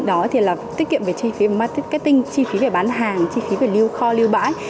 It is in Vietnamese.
đó thì là tiết kiệm về chi phí marketing chi phí về bán hàng chi phí về lưu kho lưu bãi